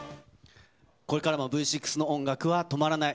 これからもＶ６の音楽は止まらない。